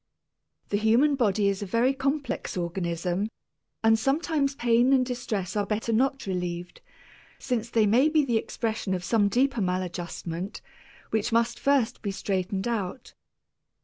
The human body is a very complex organism, and sometimes pain and distress are better not relieved, since they may be the expression of some deeper maladjustment which must first be straightened out.